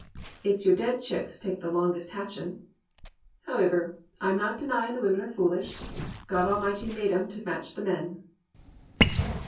It's your dead chicks take the longest hatchin'. Howiver, I'm not denyin' the women are foolish: God Almighty made 'em to match the men.'